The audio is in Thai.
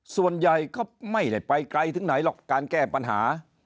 ส่วนใหญ่ก็ไม่ได้ไปไกลถึงไหนหรอกการแก้ปัญหา